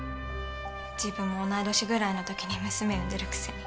自分も同い年ぐらいの時に娘を産んでるくせに。